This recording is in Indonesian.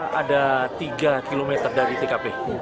kira ada tiga kilometer dari tkp